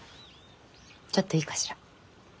ちょっといいかしら？